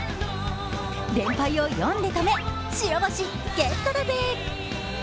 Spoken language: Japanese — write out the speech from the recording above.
連敗を４で止め、白星ゲットだぜ！